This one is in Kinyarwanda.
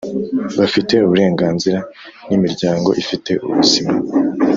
Bafite uburenganzira n imiryango ifite ubuzima